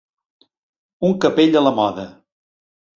Un capell a la moda.